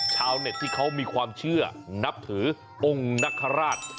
ชาวเน็ตที่เขามีความเชื่อนับถือองค์นคราช